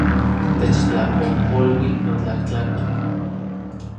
Techtlapojpolui, notlajtlakol